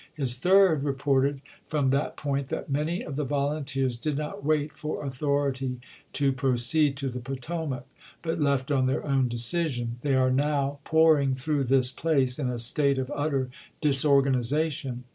His third reported from that point that " many of the volunteers did not wait for authority to proceed to the Potomac, but left on their own decision. They are now poming through this place in a state of utter disorganization.